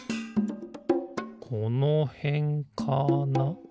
このへんかな？